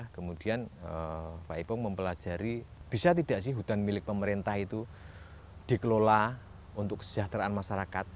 kemudian pak ipung mempelajari bisa tidak sih hutan milik pemerintah itu dikelola untuk kesejahteraan masyarakat